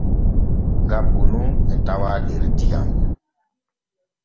Gabbu nu e tawaa der diyam.